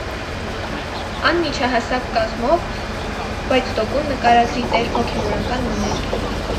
Ան միջահասակ կազմով, բայց տոկուն նկարագրի տէր հոգեւորական մըն էր։